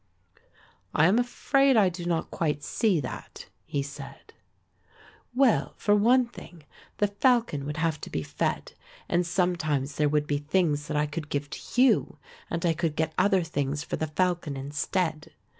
"I am afraid I do not quite see that," he said. "Well, for one thing, the falcon would have to be fed and sometimes there would be things that I could give to you and I could get other things for the falcon instead.